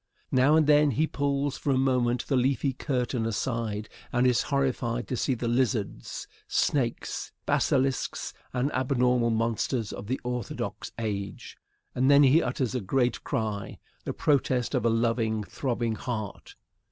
Now and then he pulls for a moment the leafy curtain aside and is horrified to see the lizards, snakes, basilisks and abnormal monsters of the orthodox age, and then he utters a great cry, the protest of a loving, throbbing heart.